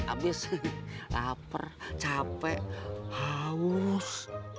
abis laper capek haus